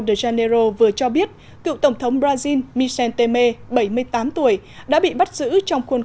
de janeiro vừa cho biết cựu tổng thống brazil michel temer bảy mươi tám tuổi đã bị bắt giữ trong khuôn